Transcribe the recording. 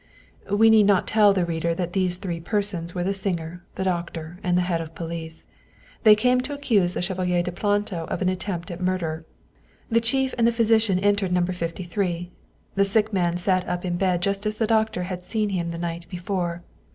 We need not tell the reader that these three persons were the singer, the doctor, and the head of police. They came to accuse the Chevalier de Planto of an attempt at murder. The chief and the physician entered No. 53. The sick man sat up in bed just as the doctor had seen him the night before.